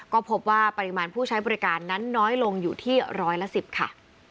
ก็พบว่าปริมาณผู้ใช้บริการนั้นน้อยลงอยู่ที่ร้อยละ๑๐ค่ะ